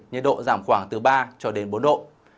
nhiệt độ giảm khoảng từ ba cho đến bốn độ